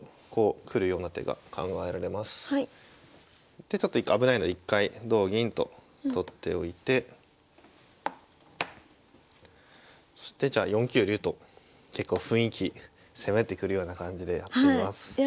でちょっと一回危ないので一回同銀と取っておいてそして４九竜と結構雰囲気攻めてくるような感じでやっています。